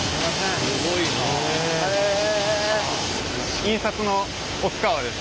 印刷の奥川です。